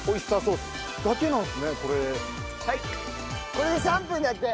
これで３分だって。